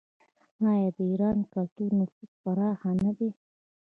آیا د ایران کلتوري نفوذ پراخ نه دی؟